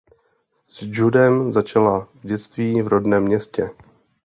S judem začala v dětství v rodném městě.